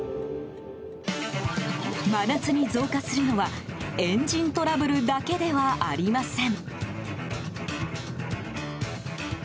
真夏に増加するのはエンジントラブルだけではありません。